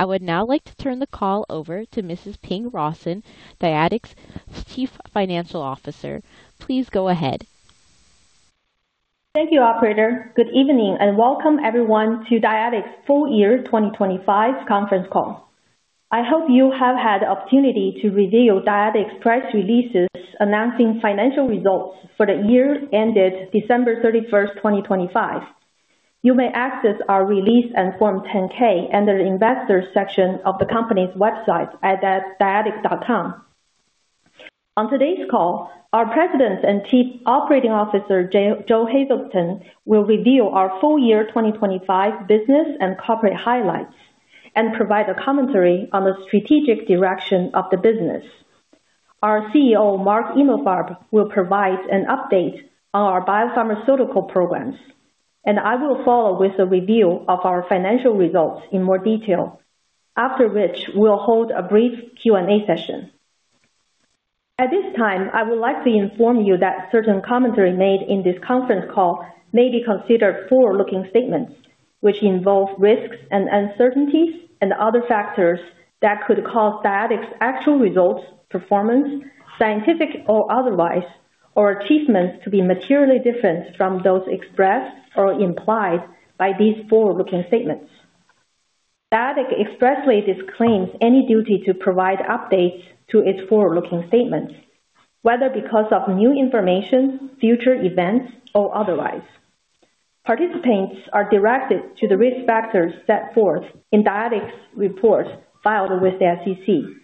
I would now like to turn the call over to Mrs. Ping Rawson, Dyadic's Chief Financial Officer. Please go ahead. Thank you, operator. Good evening, and welcome everyone to Dyadic's Full Year 2025 Conference Call. I hope you have had the opportunity to review Dyadic's press releases announcing financial results for the year ended December 31st, 2025. You may access our release and Form 10-K under the Investors section of the company's website at dyadic.com. On today's call, our President and Chief Operating Officer, Joe Hazelton, will review our full year 2025 business and corporate highlights and provide a commentary on the strategic direction of the business. Our CEO, Mark Emalfarb, will provide an update on our biopharmaceutical programs, and I will follow with a review of our financial results in more detail. After which, we'll hold a brief Q&A session. At this time, I would like to inform you that certain commentary made in this conference call may be considered forward-looking statements, which involve risks and uncertainties and other factors that could cause Dyadic's actual results, performance, scientific or otherwise, or achievements to be materially different from those expressed or implied by these forward-looking statements. Dyadic expressly disclaims any duty to provide updates to its forward-looking statements, whether because of new information, future events, or otherwise. Participants are directed to the risk factors set forth in Dyadic's report filed with the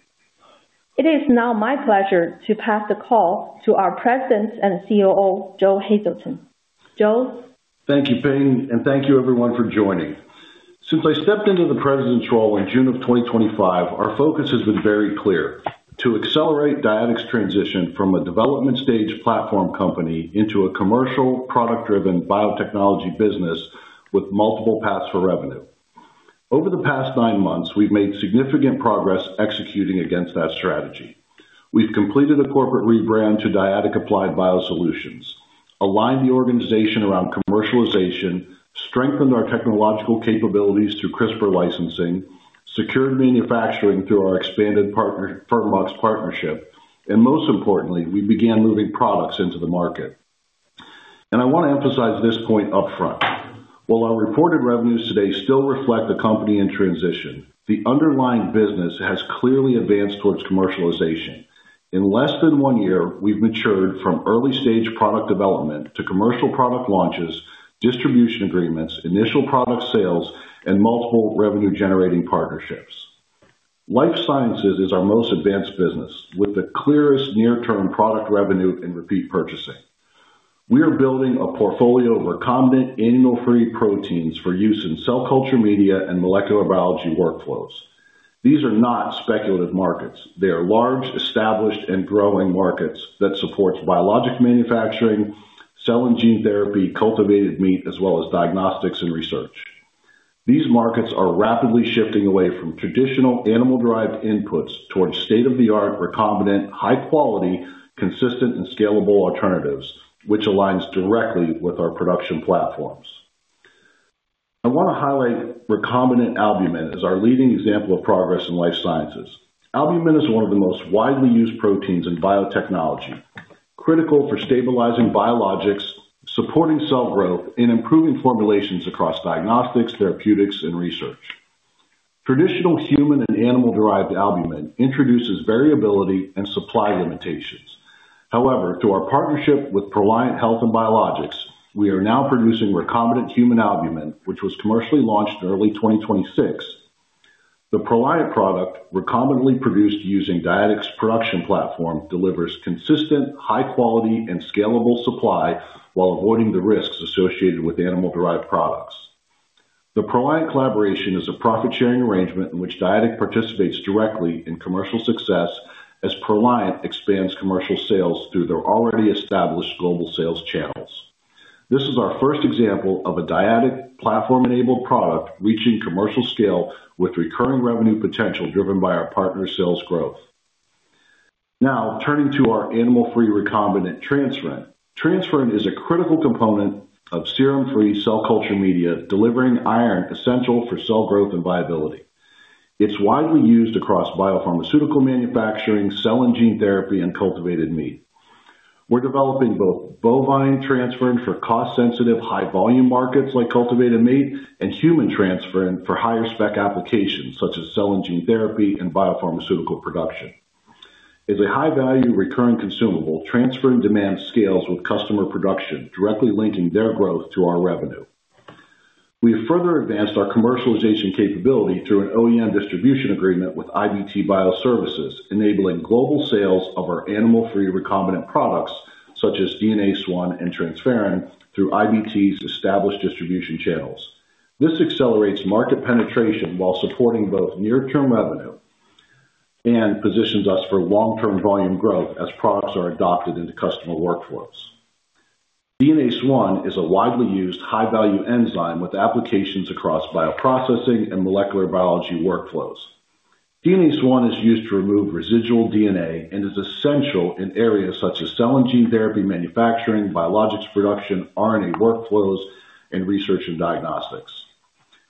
SEC. It is now my pleasure to pass the call to our President and COO, Joe Hazelton. Joe. Thank you, Ping, and thank you everyone for joining. Since I stepped into the president's role in June 2025, our focus has been very clear: to accelerate Dyadic's transition from a development stage platform company into a commercial product-driven biotechnology business with multiple paths for revenue. Over the past nine months, we've made significant progress executing against that strategy. We've completed a corporate rebrand to Dyadic Applied BioSolutions, aligned the organization around commercialization, strengthened our technological capabilities through CRISPR licensing, secured manufacturing through our expanded Fermbox partnership, and most importantly, we began moving products into the market. I wanna emphasize this point up front. While our reported revenues today still reflect the company in transition, the underlying business has clearly advanced towards commercialization. In less than one year, we've matured from early-stage product development to commercial product launches, distribution agreements, initial product sales, and multiple revenue-generating partnerships. Life sciences is our most advanced business, with the clearest near-term product revenue and repeat purchasing. We are building a portfolio of recombinant animal-free proteins for use in cell culture media and molecular biology workflows. These are not speculative markets. They are large, established, and growing markets that support biologic manufacturing, cell and gene therapy, cultivated meat, as well as diagnostics and research. These markets are rapidly shifting away from traditional animal-derived inputs towards state-of-the-art recombinant, high-quality, consistent and scalable alternatives, which aligns directly with our production platforms. I wanna highlight recombinant albumin as our leading example of progress in life sciences. Albumin is one of the most widely used proteins in biotechnology, critical for stabilizing biologics, supporting cell growth, and improving formulations across diagnostics, therapeutics, and research. Traditional human and animal-derived albumin introduces variability and supply limitations. However, through our partnership with Proliant Health & Biologicals, we are now producing recombinant human albumin, which was commercially launched in early 2026. The Proliant product, recombinantly produced using Dyadic's production platform, delivers consistent, high quality, and scalable supply while avoiding the risks associated with animal-derived products. The Proliant collaboration is a profit-sharing arrangement in which Dyadic participates directly in commercial success as Proliant expands commercial sales through their already established global sales channels. This is our first example of a Dyadic platform-enabled product reaching commercial scale with recurring revenue potential driven by our partner sales growth. Now, turning to our animal-free recombinant transferrin. Transferrin is a critical component of serum-free cell culture media, delivering iron essential for cell growth and viability. It's widely used across biopharmaceutical manufacturing, cell and gene therapy, and cultivated meat. We're developing both bovine transferrin for cost-sensitive, high volume markets like cultivated meat, and human transferrin for higher spec applications such as cell and gene therapy and biopharmaceutical production. As a high-value recurring consumable, transferrin demand scales with customer production, directly linking their growth to our revenue. We have further advanced our commercialization capability through an OEM distribution agreement with IBT Bioservices, enabling global sales of our animal-free recombinant products such as DNase I and transferrin through IBT's established distribution channels. This accelerates market penetration while supporting both near-term revenue and positions us for long-term volume growth as products are adopted into customer workflows. DNase I is a widely used high-value enzyme with applications across bioprocessing and molecular biology workflows. DNase I is used to remove residual DNA and is essential in areas such as cell and gene therapy manufacturing, biologics production, RNA workflows, and research and diagnostics.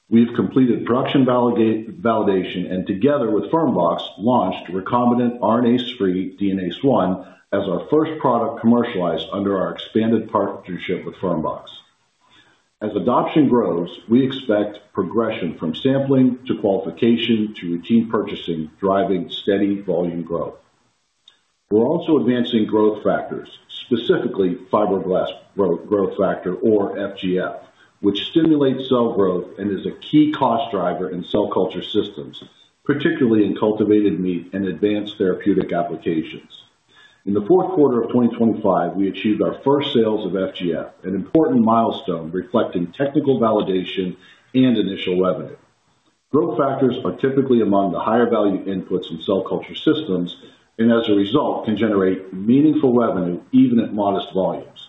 We've completed production validation and together with Fermbox, launched recombinant RNase-free DNase I as our first product commercialized under our expanded partnership with Fermbox. As adoption grows, we expect progression from sampling to qualification to routine purchasing, driving steady volume growth. We're also advancing growth factors, specifically fibroblast growth factor or FGF, which stimulates cell growth and is a key cost driver in cell culture systems, particularly in cultivated meat and advanced therapeutic applications. In the fourth quarter of 2025, we achieved our first sales of FGF, an important milestone reflecting technical validation and initial revenue. Growth factors are typically among the higher value inputs in cell culture systems, and as a result, can generate meaningful revenue even at modest volumes.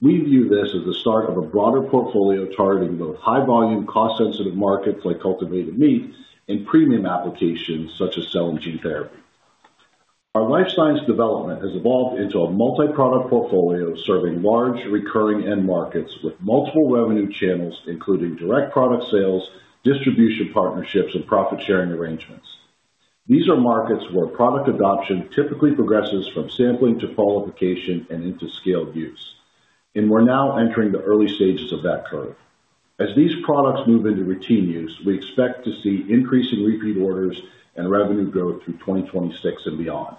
We view this as the start of a broader portfolio targeting both high volume, cost-sensitive markets like cultivated meat and premium applications such as cell and gene therapy. Our life science development has evolved into a multi-product portfolio serving large recurring end markets with multiple revenue channels, including direct product sales, distribution partnerships, and profit-sharing arrangements. These are markets where product adoption typically progresses from sampling to qualification and into scaled use, and we're now entering the early stages of that curve. As these products move into routine use, we expect to see increasing repeat orders and revenue growth through 2026 and beyond.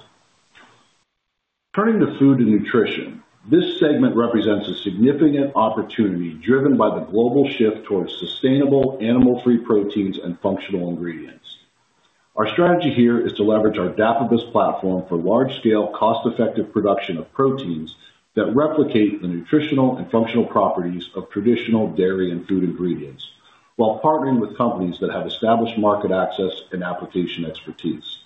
Turning to food and nutrition, this segment represents a significant opportunity driven by the global shift towards sustainable animal-free proteins and functional ingredients. Our strategy here is to leverage our Dapibus platform for large scale, cost-effective production of proteins that replicate the nutritional and functional properties of traditional dairy and food ingredients, while partnering with companies that have established market access and application expertise.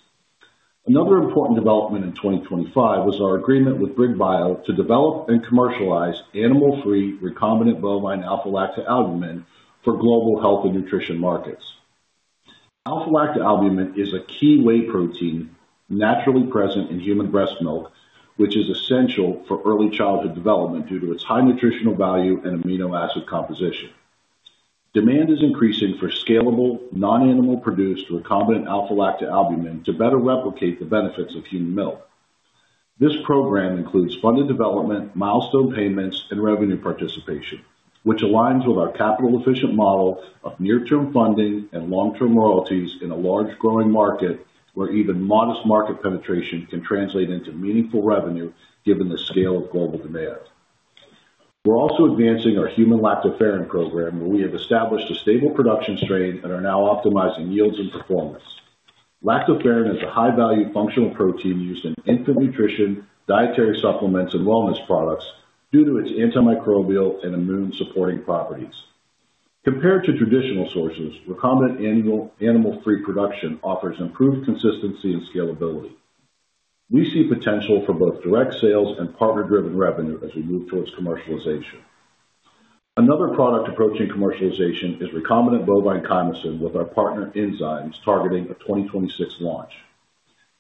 Another important development in 2025 was our agreement with BRIG BIO to develop and commercialize animal-free recombinant bovine alpha-lactalbumin for global health and nutrition markets. Alpha-lactalbumin is a key whey protein naturally present in human breast milk, which is essential for early childhood development due to its high nutritional value and amino acid composition. Demand is increasing for scalable, non-animal-produced recombinant alpha-lactalbumin to better replicate the benefits of human milk. This program includes funded development, milestone payments, and revenue participation, which aligns with our capital-efficient model of near-term funding and long-term royalties in a large growing market, where even modest market penetration can translate into meaningful revenue given the scale of global demand. We're also advancing our human lactoferrin program, where we have established a stable production strain and are now optimizing yields and performance. Lactoferrin is a high-value functional protein used in infant nutrition, dietary supplements, and wellness products due to its antimicrobial and immune-supporting properties. Compared to traditional sources, recombinant animal-free production offers improved consistency and scalability. We see potential for both direct sales and partner-driven revenue as we move towards commercialization. Another product approaching commercialization is recombinant bovine chymosin with our partner Enzymes, targeting a 2026 launch.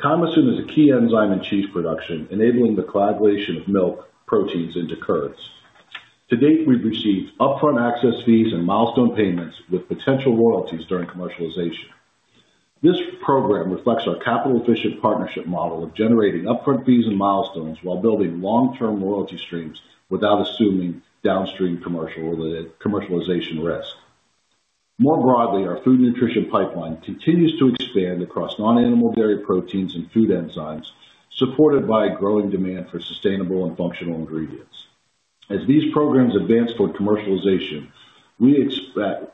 Chymosin is a key enzyme in cheese production, enabling the coagulation of milk proteins into curds. To date, we've received upfront access fees and milestone payments with potential royalties during commercialization. This program reflects our capital-efficient partnership model of generating upfront fees and milestones while building long-term royalty streams without assuming downstream commercialization risk. More broadly, our food nutrition pipeline continues to expand across non-animal dairy proteins and food enzymes, supported by a growing demand for sustainable and functional ingredients. As these programs advance toward commercialization, we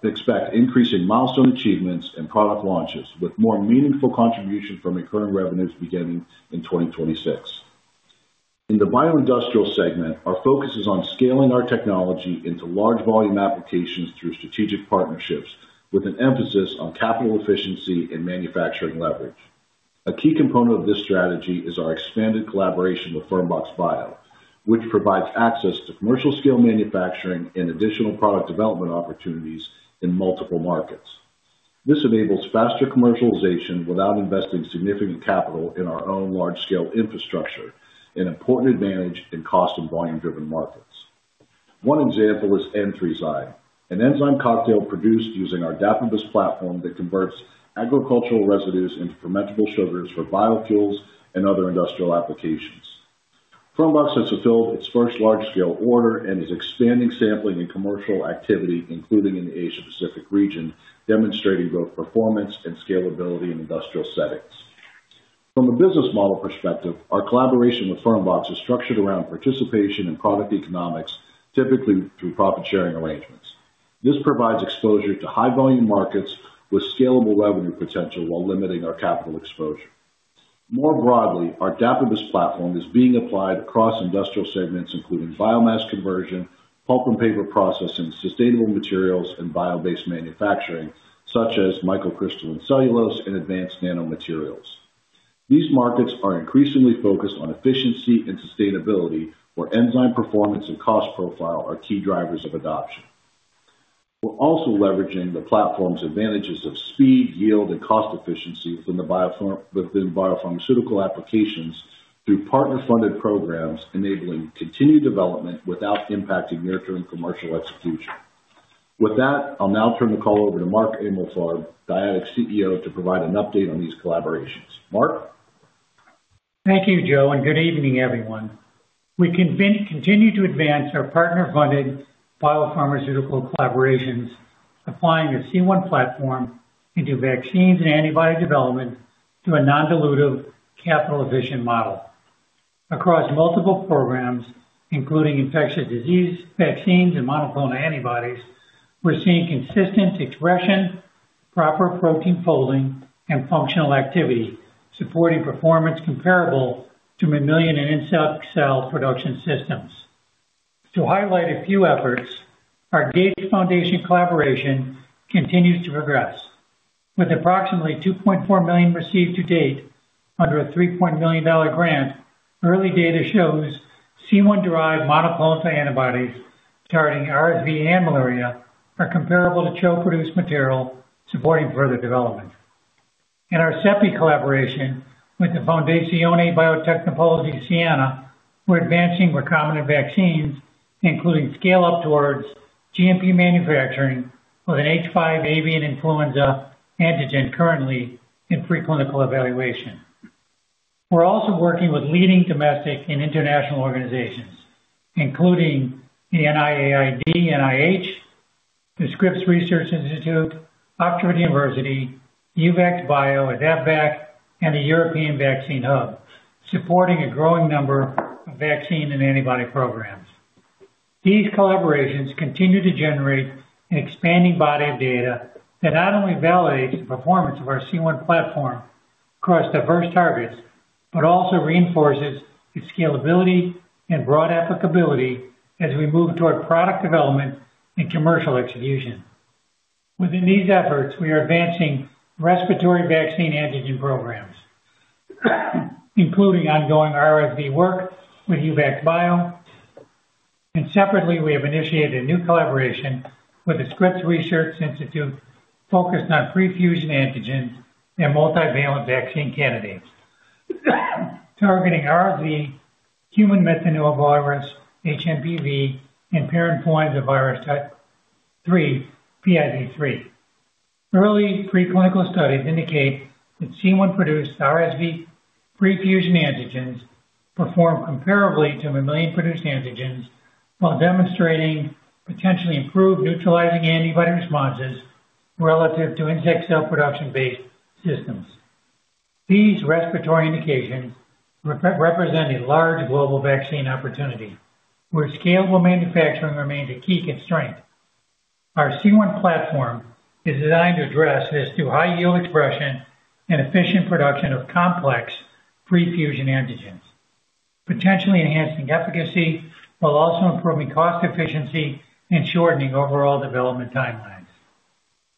expect increasing milestone achievements and product launches with more meaningful contribution from recurring revenues beginning in 2026. In the bio-industrial segment, our focus is on scaling our technology into large volume applications through strategic partnerships with an emphasis on capital efficiency and manufacturing leverage. A key component of this strategy is our expanded collaboration with Fermbox Bio, which provides access to commercial scale manufacturing and additional product development opportunities in multiple markets. This enables faster commercialization without investing significant capital in our own large-scale infrastructure, an important advantage in cost and volume-driven markets. One example is EN3ZYME, an enzyme cocktail produced using our Dapibus platform that converts agricultural residues into fermentable sugars for biofuels and other industrial applications. Fermbox has fulfilled its first large-scale order and is expanding sampling and commercial activity, including in the Asia-Pacific region, demonstrating both performance and scalability in industrial settings. From a business model perspective, our collaboration with Fermbox is structured around participation in product economics, typically through profit-sharing arrangements. This provides exposure to high volume markets with scalable revenue potential while limiting our capital exposure. More broadly, our Dapibus platform is being applied across industrial segments, including biomass conversion, pulp and paper processing, sustainable materials, and bio-based manufacturing, such as microcrystalline cellulose and advanced nano materials. These markets are increasingly focused on efficiency and sustainability, where enzyme performance and cost profile are key drivers of adoption. We're also leveraging the platform's advantages of speed, yield, and cost efficiency within biopharmaceutical applications through partner-funded programs, enabling continued development without impacting near-term commercial execution. With that, I'll now turn the call over to Mark Emalfarb, our Dyadic CEO, to provide an update on these collaborations. Mark? Thank you, Joe, and good evening, everyone. We continue to advance our partner-funded biopharmaceutical collaborations, applying the C1 platform into vaccines and antibody development through a non-dilutive capital-efficient model. Across multiple programs, including infectious disease, vaccines, and monoclonal antibodies, we're seeing consistent expression, proper protein folding, and functional activity, supporting performance comparable to mammalian and insect cell production systems. To highlight a few efforts, our Gates Foundation collaboration continues to progress. With approximately $2.4 million received to date under a $3 million grant, early data shows C1-derived monoclonal antibodies targeting RSV and malaria are comparable to CHO-produced material supporting further development. In our CEPI collaboration with the Fondazione Biotecnopolo di Siena, we're advancing recombinant vaccines, including scale-up towards GMP manufacturing with an H5 avian influenza antigen currently in preclinical evaluation. We're also working with leading domestic and international organizations, including the NIAID, NIH, the Scripps Research Institute, Oxford University, EUVAC-Bio, AdaptVac, and the European Vaccine Hub, supporting a growing number of vaccine and antibody programs. These collaborations continue to generate an expanding body of data that not only validates the performance of our C1 platform across diverse targets, but also reinforces its scalability and broad applicability as we move toward product development and commercial execution. Within these efforts, we are advancing respiratory vaccine antigen programs, including ongoing RSV work with EUVAC-Bio. Separately, we have initiated a new collaboration with the Scripps Research Institute focused on pre-fusion antigens and multivalent vaccine candidates, targeting RSV, human metapneumovirus, HMPV, and parainfluenza virus type three, PIV3. Early preclinical studies indicate that C1-produced RSV pre-fusion antigens perform comparably to mammalian-produced antigens while demonstrating potentially improved neutralizing antibody responses relative to insect cell production-based systems. These respiratory indications represent a large global vaccine opportunity, where scalable manufacturing remains a key constraint. Our C1 platform is designed to address this through high-yield expression and efficient production of complex pre-fusion antigens, potentially enhancing efficacy while also improving cost efficiency and shortening overall development timelines.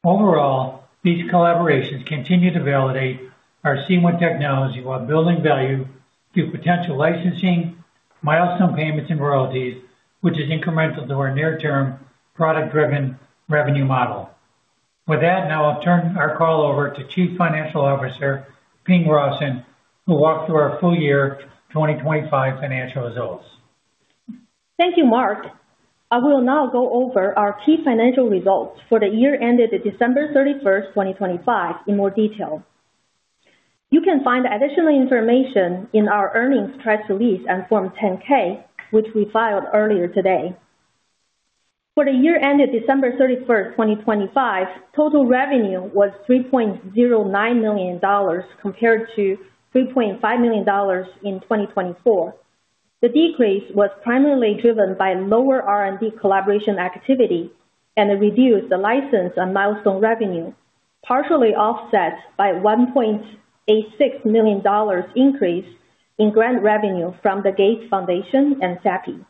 Overall, these collaborations continue to validate our C1 technology while building value through potential licensing, milestone payments, and royalties, which is incremental to our near-term product-driven revenue model. With that, now I'll turn our call over to Chief Financial Officer Ping Rawson, who will walk through our full year 2025 financial results. Thank you, Mark. I will now go over our key financial results for the year ended December 31st, 2025 in more detail. You can find additional information in our earnings press release and Form 10-K, which we filed earlier today. For the year ended December 31st, 2025, total revenue was $3.09 million compared to $3.5 million in 2024. The decrease was primarily driven by lower R&D collaboration activity and a reduced license and milestone revenue, partially offset by $1.86 million increase in grant revenue from the Gates Foundation and CEPI.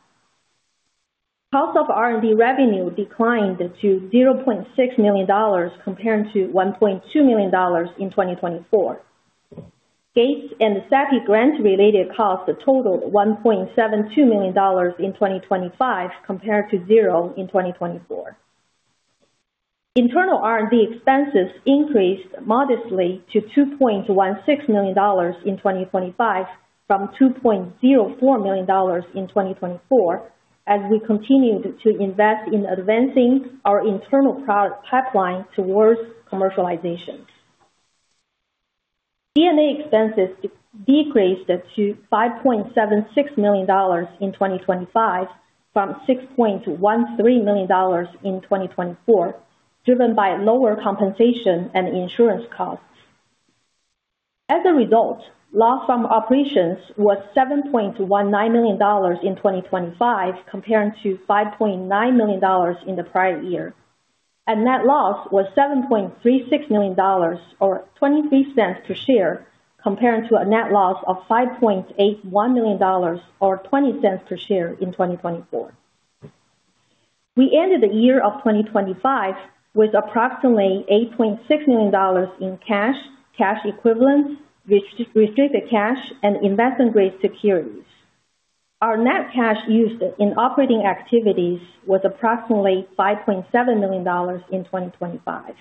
Cost of R&D revenue declined to $0.6 million compared to $1.2 million in 2024. Gates and the CEPI grant-related costs totaled $1.72 million in 2025 compared to 0 in 2024. Internal R&D expenses increased modestly to $2.16 million in 2025 from $2.04 million in 2024, as we continued to invest in advancing our internal product pipeline towards commercialization. G&A expenses decreased to $5.76 million in 2025 from $6.13 million in 2024, driven by lower compensation and insurance costs. As a result, loss from operations was $7.19 million in 2025 compared to $5.9 million in the prior year. Net loss was $7.36 million or $0.23 per share compared to a net loss of $5.81 million or $0.20 per share in 2024. We ended the year of 2025 with approximately $8.6 million in cash equivalents, restricted cash, and investment-grade securities. Our net cash used in operating activities was approximately $5.7 million in 2025.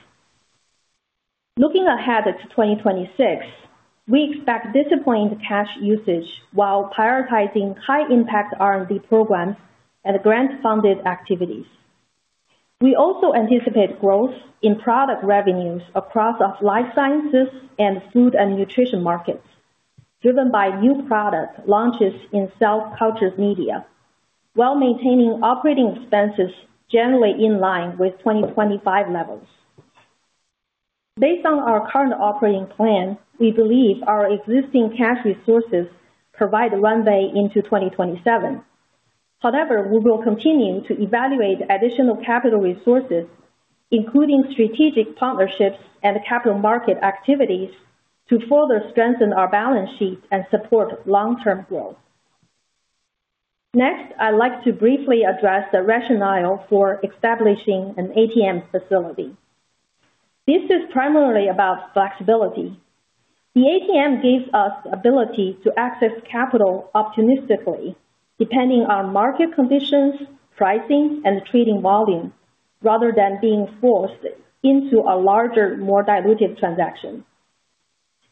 Looking ahead at 2026, we expect disciplined cash usage while prioritizing high-impact R&D programs and grant-funded activities. We also anticipate growth in product revenues across our life sciences and food and nutrition markets, driven by new product launches in cell culture media, while maintaining operating expenses generally in line with 2025 levels. Based on our current operating plan, we believe our existing cash resources provide a runway into 2027. However, we will continue to evaluate additional capital resources, including strategic partnerships and capital market activities, to further strengthen our balance sheet and support long-term growth. Next, I'd like to briefly address the rationale for establishing an ATM facility. This is primarily about flexibility. The ATM gives us ability to access capital optimistically, depending on market conditions, pricing, and trading volume, rather than being forced into a larger, more diluted transaction.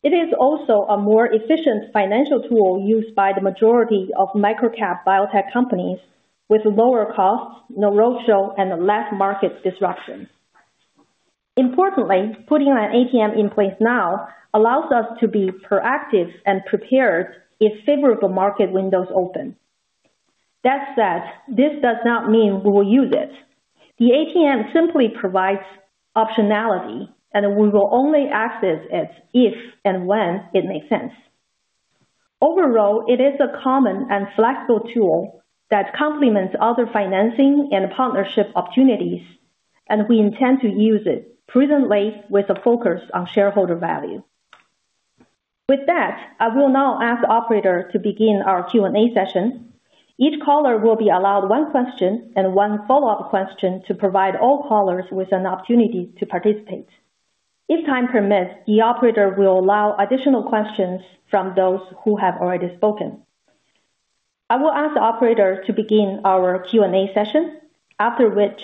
It is also a more efficient financial tool used by the majority of microcap biotech companies with lower costs, no roadshow, and less market disruption. Importantly, putting an ATM in place now allows us to be proactive and prepared if favorable market windows open. That said, this does not mean we will use it. The ATM simply provides optionality, and we will only access it if and when it makes sense. Overall, it is a common and flexible tool that complements other financing and partnership opportunities, and we intend to use it prudently with a focus on shareholder value. With that, I will now ask the operator to begin our Q&A session. Each caller will be allowed one question and one follow-up question to provide all callers with an opportunity to participate. If time permits, the operator will allow additional questions from those who have already spoken. I will ask the operator to begin our Q&A session, after which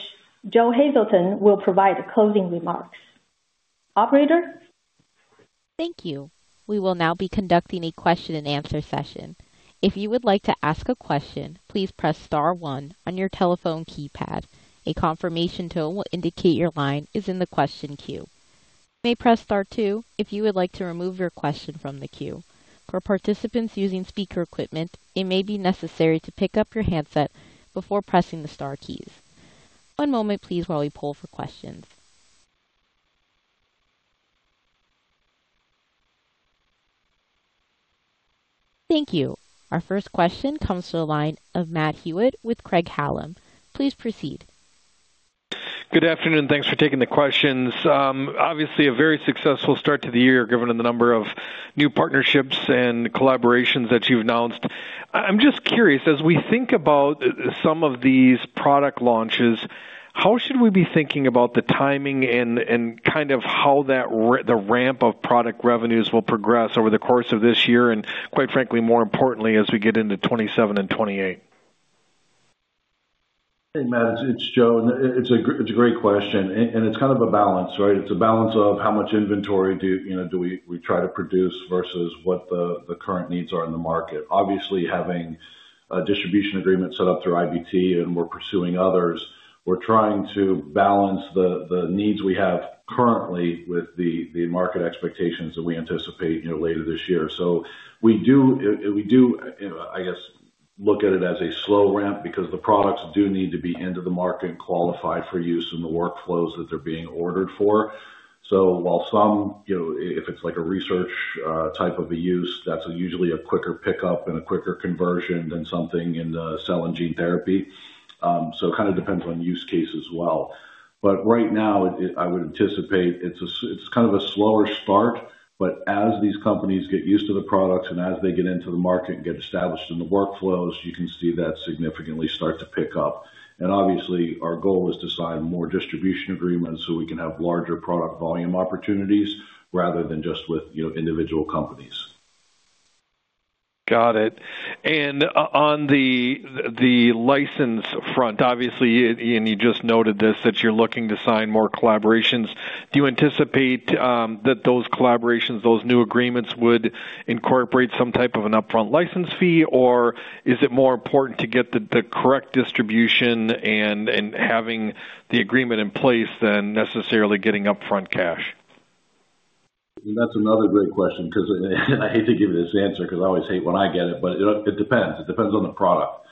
Joe Hazelton will provide closing remarks. Operator? Thank you. We will now be conducting a question-and-answer session. If you would like to ask a question, please press star one on your telephone keypad. A confirmation tone will indicate your line is in the question queue. You may press star two if you would like to remove your question from the queue. For participants using speaker equipment, it may be necessary to pick up your handset before pressing the star keys. One moment, please, while we poll for questions. Thank you. Our first question comes to the line of Matt Hewitt with Craig-Hallum. Please proceed. Good afternoon. Thanks for taking the questions. Obviously a very successful start to the year, given the number of new partnerships and collaborations that you've announced. I'm just curious, as we think about some of these product launches, how should we be thinking about the timing and kind of how that the ramp of product revenues will progress over the course of this year, and quite frankly, more importantly, as we get into 2027 and 2028? Hey, Matt, it's Joe. It's a great question, and it's kind of a balance, right? It's a balance of how much inventory do we try to produce versus what the current needs are in the market. Obviously, having a distribution agreement set up through IBT, and we're pursuing others, we're trying to balance the needs we have currently with the market expectations that we anticipate later this year. We do, you know, I guess, look at it as a slow ramp because the products do need to be into the market and qualified for use in the workflows that they're being ordered for. While some, you know, if it's like a research type of a use, that's usually a quicker pickup and a quicker conversion than something in the cell and gene therapy. It kind of depends on use case as well. Right now, it I would anticipate it's kind of a slower start, but as these companies get used to the products and as they get into the market and get established in the workflows, you can see that significantly start to pick up. Obviously, our goal is to sign more distribution agreements, so we can have larger product volume opportunities rather than just with, you know, individual companies. Got it. On the license front, obviously, and you just noted this, that you're looking to sign more collaborations. Do you anticipate that those collaborations, those new agreements, would incorporate some type of an upfront license fee? Or is it more important to get the correct distribution and having the agreement in place than necessarily getting upfront cash? That's another great question because I hate to give you this answer because I always hate when I get it, but it depends. It depends on the product.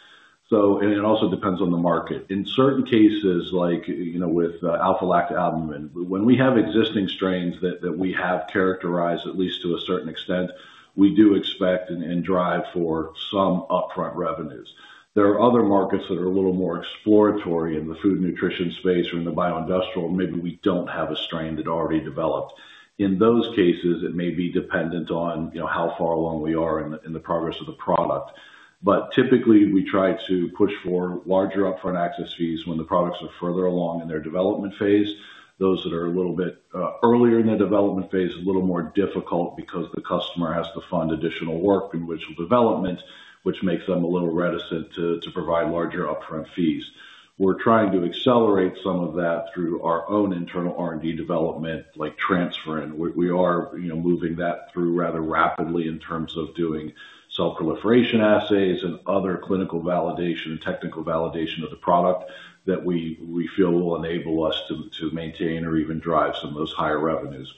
it also depends on the market. In certain cases, like, you know, with alpha-lactalbumin, when we have existing strains that we have characterized at least to a certain extent, we do expect and drive for some upfront revenues. There are other markets that are a little more exploratory in the food and nutrition space or in the bio-industrial, maybe we don't have a strain that already developed. In those cases, it may be dependent on, you know, how far along we are in the progress of the product. Typically, we try to push for larger upfront access fees when the products are further along in their development phase. Those that are a little bit earlier in their development phase, a little more difficult because the customer has to fund additional work in which development, which makes them a little reticent to provide larger upfront fees. We're trying to accelerate some of that through our own internal R&D development, like transferrin. We are, you know, moving that through rather rapidly in terms of doing cell proliferation assays and other clinical validation, technical validation of the product that we feel will enable us to maintain or even drive some of those higher revenues.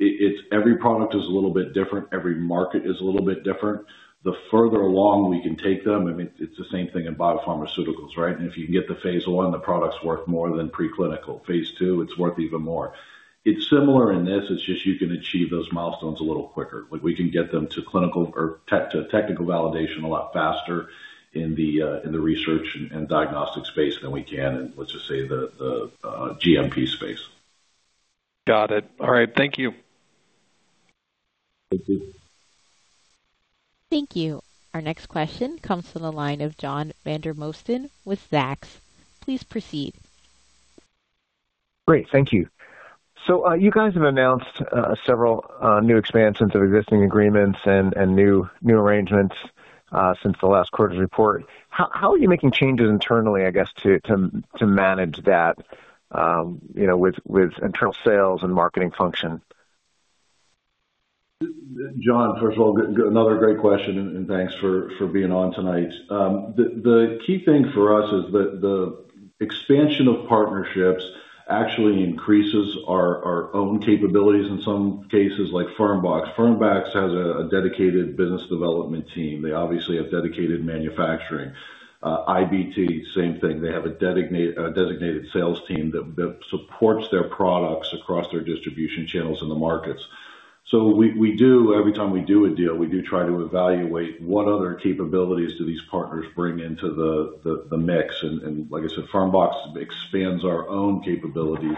It's every product is a little bit different. Every market is a little bit different. The further along we can take them, I mean, it's the same thing in biopharmaceuticals, right? If you can get to phase I, the product's worth more than preclinical. Phase II, it's worth even more. It's similar in this. It's just you can achieve those milestones a little quicker. Like, we can get them to clinical or to technical validation a lot faster in the research and diagnostic space than we can in, let's just say, the GMP space. Got it. All right, thank you. Thank you. Thank you. Our next question comes from the line of John Vandermosten with Zacks. Please proceed. Great. Thank you. You guys have announced several new expansions of existing agreements and new arrangements since the last quarter's report. How are you making changes internally, I guess, to manage that, you know, with internal sales and marketing function? John, first of all, another great question, and thanks for being on tonight. The key thing for us is the expansion of partnerships actually increases our own capabilities in some cases, like Fermbox. Fermbox has a dedicated business development team. They obviously have dedicated manufacturing. IBT, same thing. They have a designated sales team that supports their products across their distribution channels in the markets. We do every time we do a deal, we try to evaluate what other capabilities do these partners bring into the mix. Like I said, Fermbox expands our own capabilities.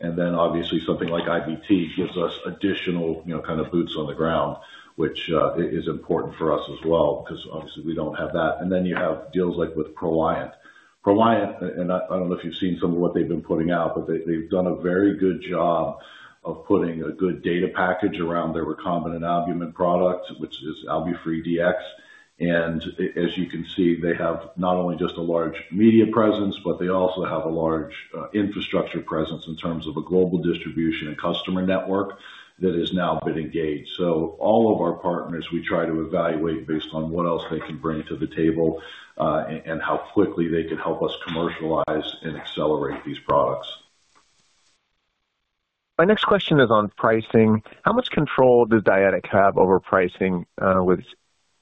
Then obviously something like IBT gives us additional, you know, kind of boots on the ground, which is important for us as well, 'cause obviously we don't have that. You have deals like with Proliant. Proliant, I don't know if you've seen some of what they've been putting out, but they've done a very good job of putting a good data package around their recombinant albumin product, which is AlbuFree DX. As you can see, they have not only just a large media presence, but they also have a large infrastructure presence in terms of a global distribution and customer network that has now been engaged. All of our partners, we try to evaluate based on what else they can bring to the table, and how quickly they can help us commercialize and accelerate these products. My next question is on pricing. How much control does Dyadic have over pricing with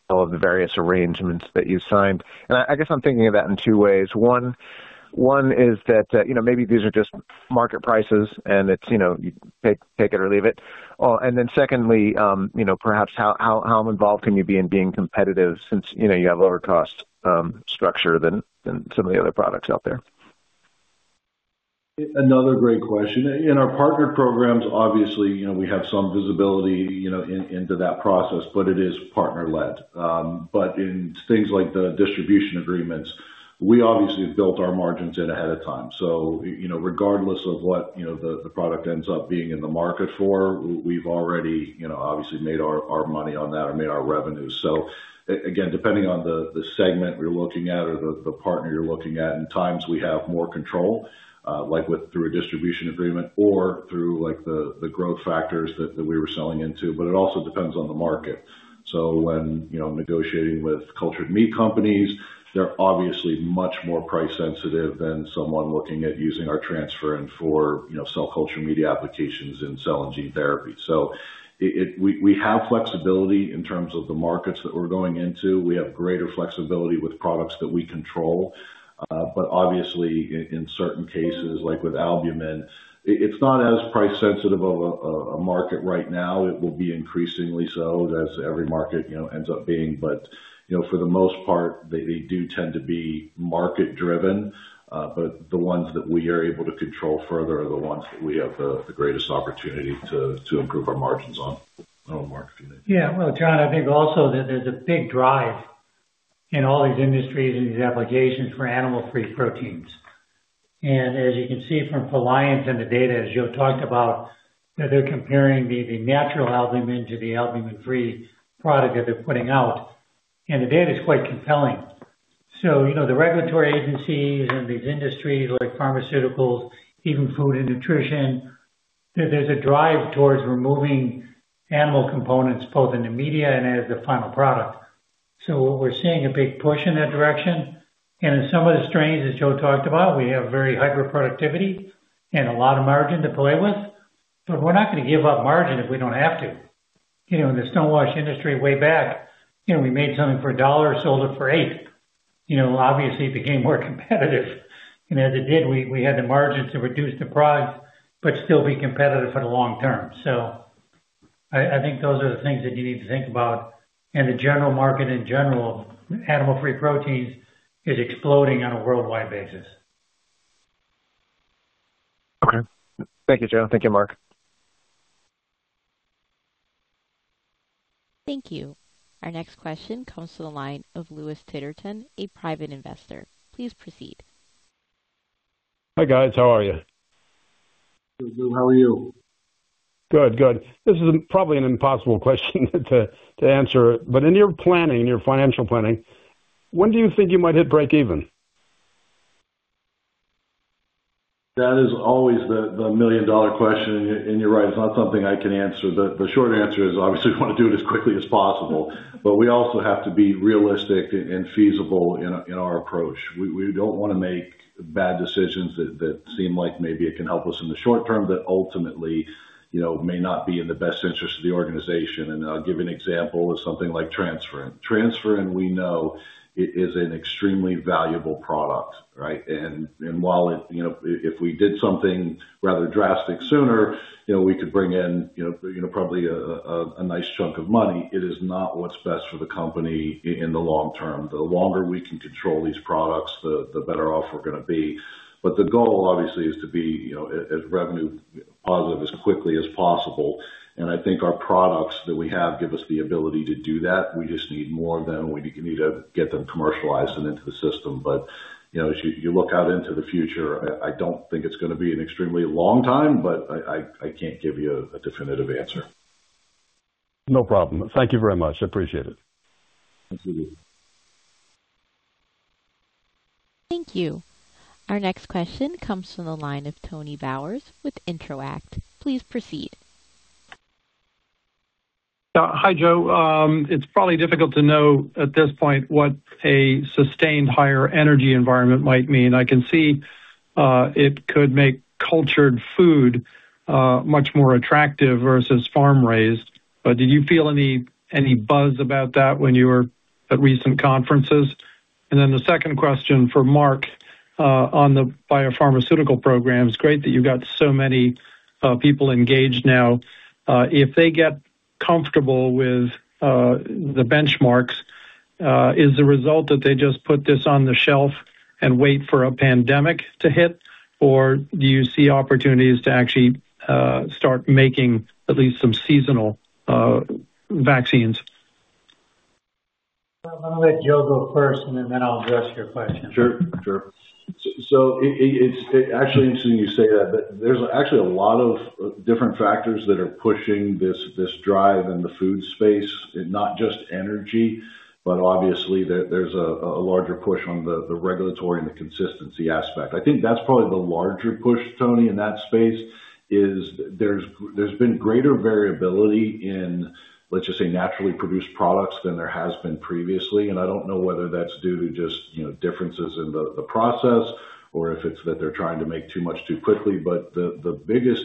all of the various arrangements that you've signed? I guess I'm thinking of that in two ways. One is that you know, maybe these are just market prices and it's you know, you take it or leave it. Then secondly, you know, perhaps how involved can you be in being competitive since you know, you have lower cost structure than some of the other products out there? Another great question. In our partner programs, obviously, you know, we have some visibility, you know, in that process, but it is partner-led. In things like the distribution agreements, we obviously have built our margins in ahead of time. You know, regardless of what, you know, the product ends up being in the market for, we've already, you know, obviously made our money on that or made our revenues. Again, depending on the segment you're looking at or the partner you're looking at, in times we have more control, like through a distribution agreement or through, like, the growth factors that we were selling into. It also depends on the market. When you know negotiating with cultured meat companies, they're obviously much more price sensitive than someone looking at using our transferrin for you know cell culture media applications in cell and gene therapy. It we have flexibility in terms of the markets that we're going into. We have greater flexibility with products that we control. But obviously in certain cases, like with albumin, it's not as price sensitive of a market right now. It will be increasingly so, as every market you know ends up being. You know for the most part, they do tend to be market driven. The ones that we are able to control further are the ones that we have the greatest opportunity to improve our margins on. I don't know, Mark, if you need Yeah. Well, John, I think also that there's a big drive in all these industries and these applications for animal-free proteins. As you can see from Proliant and the data, as Joe talked about, that they're comparing the natural albumin to the albumin-free product that they're putting out, and the data is quite compelling. You know, the regulatory agencies and these industries like pharmaceuticals, even food and nutrition, there's a drive towards removing animal components both in the media and as the final product. We're seeing a big push in that direction. In some of the strains that Joe talked about, we have very high productivity and a lot of margin to play with. We're not gonna give up margin if we don't have to. You know, in the stonewash industry way back, you know, we made something for $1, sold it for $8. You know, obviously it became more competitive. As it did, we had the margins to reduce the price but still be competitive for the long term. I think those are the things that you need to think about. The general market in general, animal-free proteins is exploding on a worldwide basis. Okay. Thank you, Joe. Thank you, Mark. Thank you. Our next question comes to the line of Lewis Titterton, a private investor. Please proceed. Hi, guys. How are you? Good. How are you? Good, good. This is probably an impossible question to answer. In your planning, in your financial planning, when do you think you might hit breakeven? That is always the million-dollar question. You're right, it's not something I can answer. The short answer is, obviously, we wanna do it as quickly as possible, but we also have to be realistic and feasible in our approach. We don't wanna make bad decisions that seem like maybe it can help us in the short term, but ultimately, you know, may not be in the best interest of the organization. I'll give you an example of something like transferrin. Transferrin, we know is an extremely valuable product, right? While it, you know, if we did something rather drastic sooner, you know, we could bring in, you know, probably a nice chunk of money. It is not what's best for the company in the long term. The longer we can control these products, the better off we're gonna be. The goal obviously is to be, you know, as revenue positive as quickly as possible. I think our products that we have give us the ability to do that. We just need more of them. We need to get them commercialized and into the system. You know, as you look out into the future, I can't give you a definitive answer. No problem. Thank you very much. I appreciate it. Absolutely. Thank you. Our next question comes from the line of Tony Bowers with Intro-act. Please proceed. Hi, Joe. It's probably difficult to know at this point what a sustained higher energy environment might mean. I can see it could make cultured food much more attractive versus farm-raised. Did you feel any buzz about that when you were at recent conferences? Then the second question for Mark on the biopharmaceutical program. It's great that you've got so many people engaged now. If they get comfortable with the benchmarks, is the result that they just put this on the shelf and wait for a pandemic to hit? Or do you see opportunities to actually start making at least some seasonal vaccines? I'm gonna let Joe go first, and then I'll address your question. Sure. It's actually interesting you say that. There's actually a lot of different factors that are pushing this drive in the food space, and not just energy, but obviously there's a larger push on the regulatory and the consistency aspect. I think that's probably the larger push, Tony, in that space, is there's been greater variability in, let's just say, naturally produced products than there has been previously. I don't know whether that's due to just, you know, differences in the process or if it's that they're trying to make too much too quickly. The biggest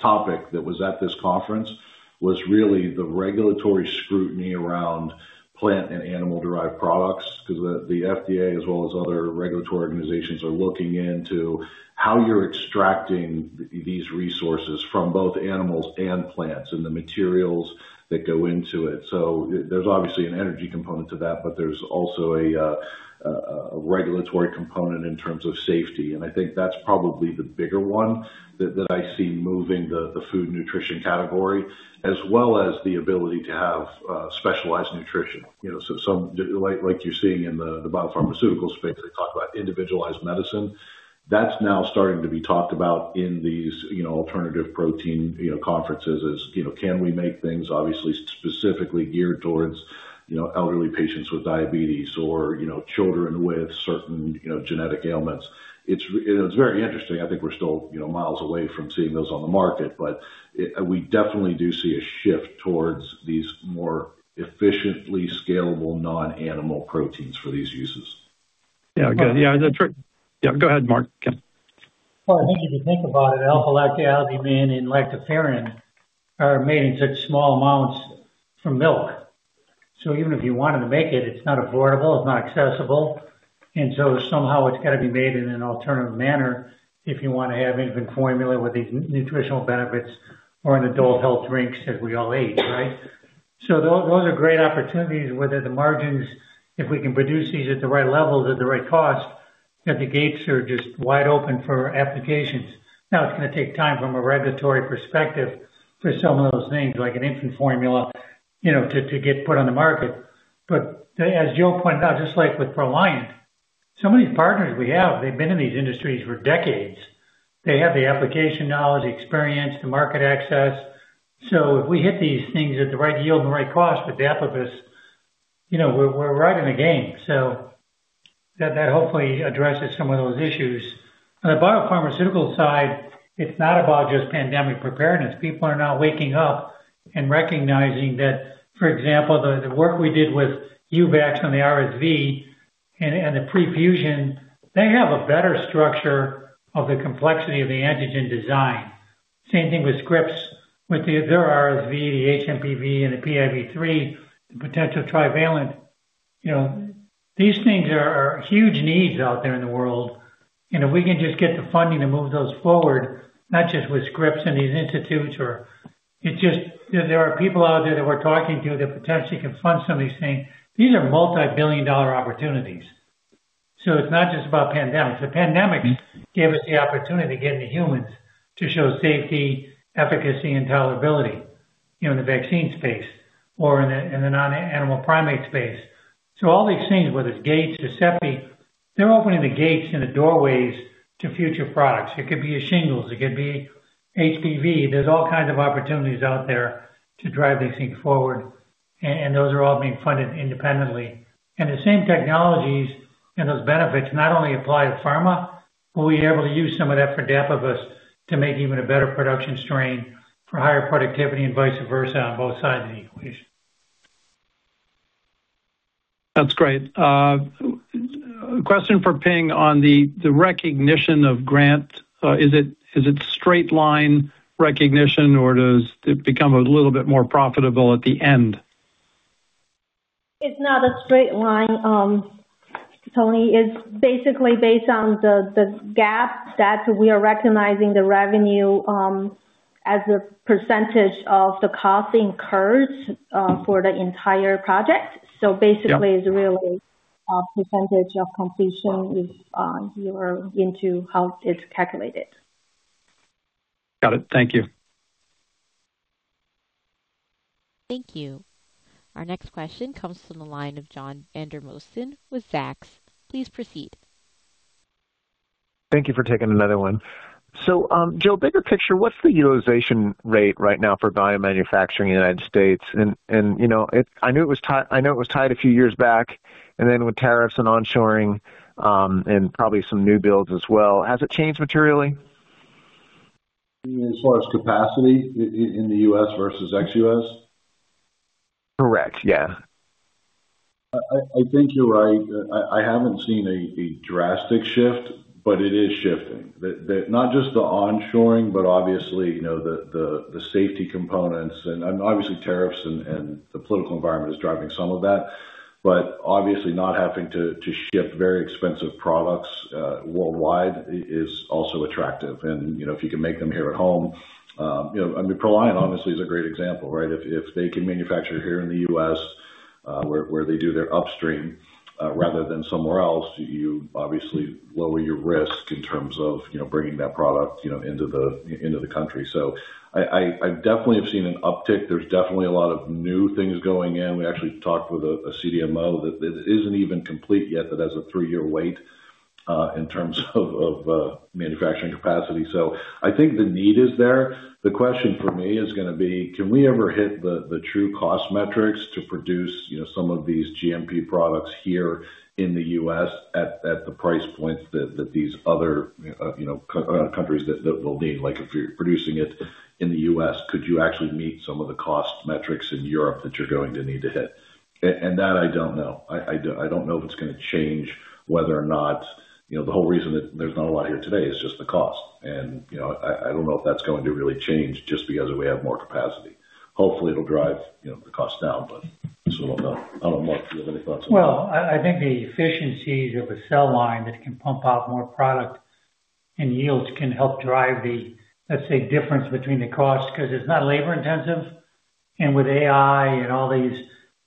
topic that was at this conference was really the regulatory scrutiny around plant and animal-derived products. Because the FDA as well as other regulatory organizations are looking into how you're extracting these resources from both animals and plants and the materials that go into it. There's obviously an energy component to that, but there's also a regulatory component in terms of safety. I think that's probably the bigger one that I see moving the food nutrition category, as well as the ability to have specialized nutrition. You know, like you're seeing in the biopharmaceutical space, they talk about individualized medicine. That's now starting to be talked about in these, you know, alternative protein, you know, conferences as, you know, can we make things obviously specifically geared towards, you know, elderly patients with diabetes or, you know, children with certain, you know, genetic ailments. You know, it's very interesting. I think we're still, you know, miles away from seeing those on the market, but we definitely do see a shift towards these more efficiently scalable non-animal proteins for these uses. Yeah. Good. Yeah, go ahead, Mark. Well, I think if you think about it, alpha-lactalbumin and lactoferrin are made in such small amounts from milk. Even if you wanted to make it's not affordable, it's not accessible. Somehow it's got to be made in an alternative manner if you wanna have infant formula with these nutritional benefits or in adult health drinks that we all ate, right? Those are great opportunities, whether the margins, if we can produce these at the right levels, at the right cost, you know, the gates are just wide open for applications. Now, it's gonna take time from a regulatory perspective for some of those things, like an infant formula, you know, to get put on the market. As Joe pointed out, just like with Proliant, some of these partners we have, they've been in these industries for decades. They have the application knowledge, experience, the market access. If we hit these things at the right yield and the right cost with Apoviss, you know, we're right in the game. That hopefully addresses some of those issues. On the biopharmaceutical side, it's not about just pandemic preparedness. People are now waking up and recognizing that, for example, the work we did with Uvax on the RSV and the pre-fusion, they have a better structure of the complexity of the antigen design. Same thing with Scripps, with their RSV, the HMPV, and the PIV3, the potential trivalent. You know, these things are huge needs out there in the world. You know, we can just get the funding to move those forward, not just with Scripps and these institutes, or it just. You know, there are people out there that we're talking to that potentially can fund some of these things. These are multi-billion-dollar opportunities. It's not just about pandemics. The pandemics gave us the opportunity to get into humans to show safety, efficacy, and tolerability, you know, in the vaccine space or in the non-animal primate space. All these things, whether it's Gates, Giuseppe, they're opening the gates and the doorways to future products. It could be your shingles, it could be HPV. There's all kinds of opportunities out there to drive these things forward. Those are all being funded independently. The same technologies and those benefits not only apply to pharma. We'll be able to use some of that for Dapibus to make even a better production strain for higher productivity and vice versa on both sides of the equation. That's great. A question for Ping on the recognition of grant. Is it straight line recognition or does it become a little bit more profitable at the end? It's not a straight line, Tony. It's basically based on the gap that we are recognizing the revenue as a percentage of the cost incurred for the entire project. Yeah. Basically it's really a percentage of completion if you're into how it's calculated. Got it. Thank you. Thank you. Our next question comes from the line of John Vandermosten with Zacks. Please proceed. Thank you for taking another one. Joe, bigger picture, what's the utilization rate right now for bio manufacturing in the United States? You know, I know it was tied a few years back and then with tariffs and onshoring, and probably some new builds as well. Has it changed materially? You mean as far as capacity in the U.S. versus ex-U.S.? Correct. Yes. I think you're right. I haven't seen a drastic shift, but it is shifting. Not just the onshoring, but obviously, you know, the safety components and obviously tariffs and the political environment is driving some of that. Obviously not having to ship very expensive products worldwide is also attractive. You know, if you can make them here at home. You know, I mean, Proliant obviously is a great example, right? If they can manufacture here in the U.S., where they do their upstream, rather than somewhere else, you obviously lower your risk in terms of bringing that product into the country. I definitely have seen an uptick. There's definitely a lot of new things going in. We actually talked with a CDMO that isn't even complete yet, that has a three-year wait in terms of manufacturing capacity. I think the need is there. The question for me is gonna be, can we ever hit the true cost metrics to produce, you know, some of these GMP products here in the U.S. at the price point that these other countries that will need? Like if you're producing it in the U.S., could you actually meet some of the cost metrics in Europe that you're going to need to hit? That I don't know. I don't know if it's gonna change whether or not. You know, the whole reason that there's not a lot here today is just the cost. You know, I don't know if that's going to really change just because we have more capacity. Hopefully it'll drive, you know, the cost down, but I still don't know. Do you have any thoughts on that? I think the efficiencies of a cell line that can pump out more product and yields can help drive the, let's say, difference between the cost because it's not labor intensive. With AI and all these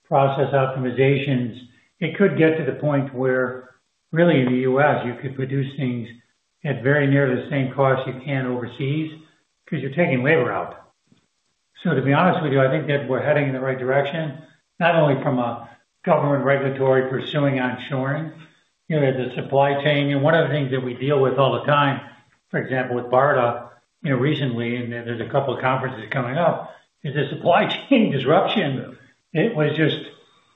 process optimizations, it could get to the point where really in the U.S. you could produce things at very near the same cost you can overseas because you're taking labor out. To be honest with you, I think that we're heading in the right direction, not only from a government regulatory pursuing onshoring, you know, the supply chain. You know, one of the things that we deal with all the time, for example, with BARDA, you know, recently, and then there's a couple of conferences coming up, is the supply chain disruption. You could see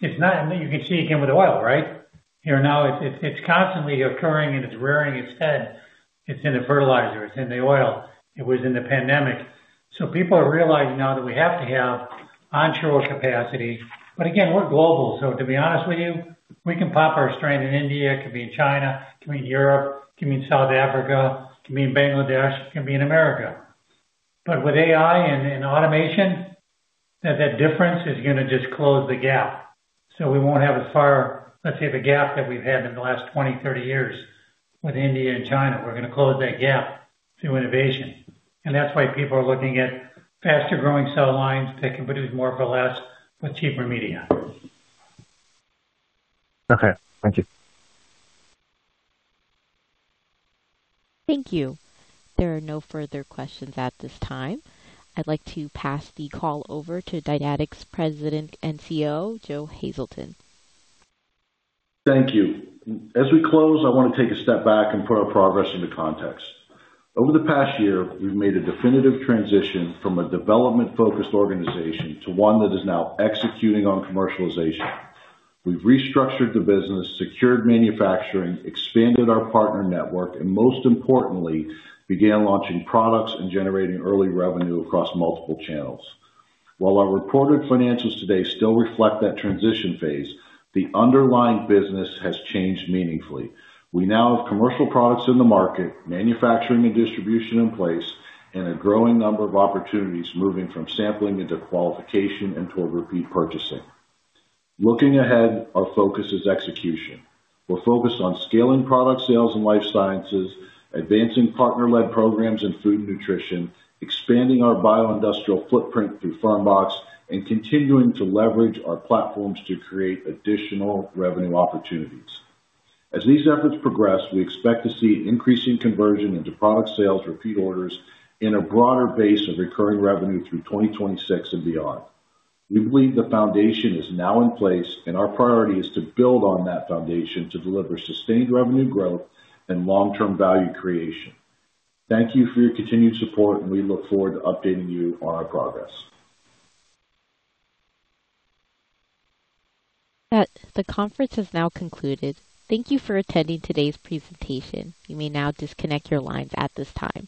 it again with oil, right? Here now it's constantly occurring and it's rearing its head. It's in the fertilizer, it's in the oil, it was in the pandemic. People are realizing now that we have to have onshore capacity. Again, we're global, so to be honest with you, we can pop our strain in India, it could be in China, it can be in Europe, it can be in South Africa, it can be in Bangladesh, it can be in America. With AI and automation, that difference is gonna just close the gap. We won't have as far, let's say, the gap that we've had in the last 20, 30 years with India and China. We're gonna close that gap through innovation. That's why people are looking at faster growing cell lines that can produce more for less with cheaper media. Okay. Thank you. Thank you. There are no further questions at this time. I'd like to pass the call over to Dyadic's President and COO, Joe Hazelton. Thank you. As we close, I want to take a step back and put our progress into context. Over the past year, we've made a definitive transition from a development-focused organization to one that is now executing on commercialization. We've restructured the business, secured manufacturing, expanded our partner network, and most importantly, began launching products and generating early revenue across multiple channels. While our reported financials today still reflect that transition phase, the underlying business has changed meaningfully. We now have commercial products in the market, manufacturing and distribution in place, and a growing number of opportunities moving from sampling into qualification and toward repeat purchasing. Looking ahead, our focus is execution. We're focused on scaling product sales and life sciences, advancing partner-led programs in food and nutrition, expanding our bioindustrial footprint through Fermbox, and continuing to leverage our platforms to create additional revenue opportunities. As these efforts progress, we expect to see an increasing conversion into product sales, repeat orders, and a broader base of recurring revenue through 2026 and beyond. We believe the foundation is now in place, and our priority is to build on that foundation to deliver sustained revenue growth and long-term value creation. Thank you for your continued support, and we look forward to updating you on our progress. The conference has now concluded. Thank you for attending today's presentation. You may now disconnect your lines at this time.